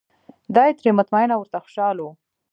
دای ترې مطمین او ورته خوشاله و.